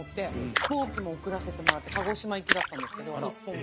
飛行機も遅らせてもらって鹿児島行きだったんですけど。